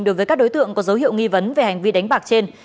đối với các đối tượng có dấu hiệu nghi vấn về hành vi đánh bạc trên